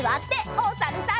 おさるさん。